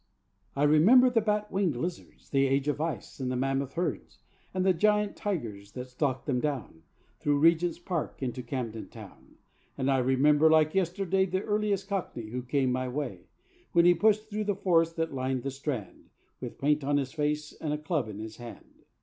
I remember the bat winged lizard birds, The Age of Ice and the mammoth herds; And the giant tigers that stalked them down Through Regent's Park into Camden Town; And I remember like yesterday The earliest Cockney who came my way, When he pushed through the forest that lined the Strand, With paint on his face and a club in his hand.